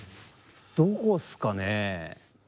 どこっすかね。